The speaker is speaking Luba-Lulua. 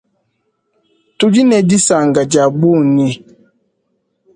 Tudi ne disanka diabunyi.